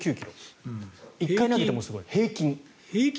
１回投げてもすごい、平均。